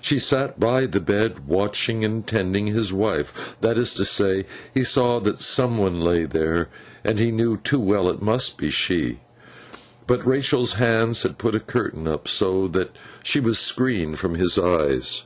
She sat by the bed, watching and tending his wife. That is to say, he saw that some one lay there, and he knew too well it must be she; but Rachael's hands had put a curtain up, so that she was screened from his eyes.